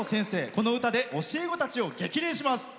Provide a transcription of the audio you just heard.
この歌で教え子たちを激励します。